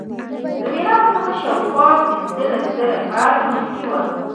له میلاد څخه شاوخوا پنځلس زره کاله مخکې و.